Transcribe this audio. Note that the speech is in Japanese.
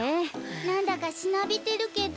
なんだかしなびてるけど。